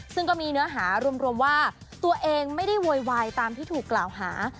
ซึ่งก็มีเนื้อหารวมว่าตัวเองไม่ได้โวยวายตามที่ถูกกล่าวหา